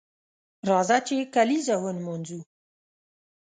راځه چې کالیزه ونمانځو